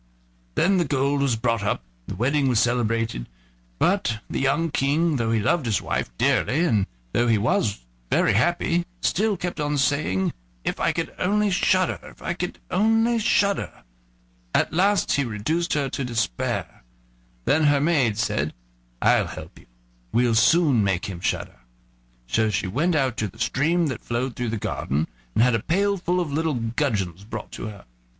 Then the gold was brought up, and the wedding was celebrated, but the young King, though he loved his wife dearly, and though he was very happy, still kept on saying: "If I could only shudder! if I could only shudder!" At last he reduced her to despair. Then her maid said: "I'll help you; we'll soon make him shudder." So she went out to the stream that flowed through the garden, and had a pail full of little gudgeons brought to her.